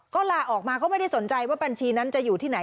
ก็ลาออกมาเขาไม่ได้สนใจว่าบัญชีนั้นจะอยู่ที่ไหน